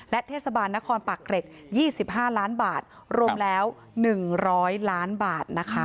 และเทศบาลนครปักเกร็ดยี่สิบห้าล้านบาทรวมแล้วหนึ่งร้อยล้านบาทนะคะ